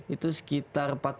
itu sekitar rp empat puluh lima an